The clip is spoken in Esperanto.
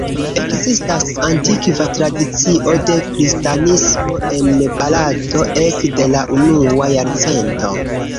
Ekzistas antikva tradicio de kristanismo en Barato ekde la unua jarcento.